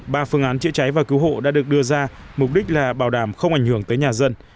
ba phương án chữa cháy và cứu hộ đã được đưa ra mục đích là bảo đảm không ảnh hưởng tới nhà dân